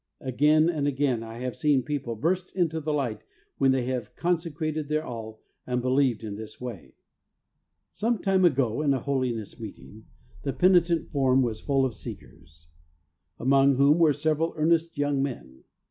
Again and again I have seen people burst into the light when they have consecrated their all and believed in this way. Some time ago in a Holiness Meeting the peni tent form was full of seekers, among whom were several earnest young men.